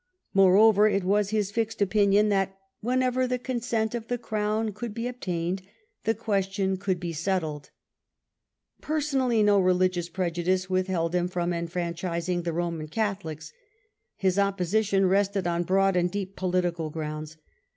Moreover, it was his fixed opinion that " whenever the consent of the Grown could be obtained, the question could be settled." Personally, no religious prejudice withheld him frotti enfranchising the Eoman Catholics ; his opposition resteA on broad and deep political grounds.